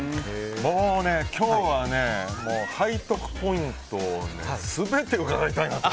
今日は背徳ポイントを全て伺いたいなと。